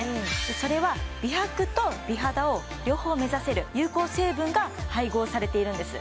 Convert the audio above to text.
それは美白と美肌を両方目指せる有効成分が配合されているんです